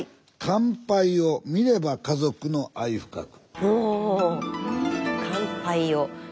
「乾杯を観れば家族の愛深く」。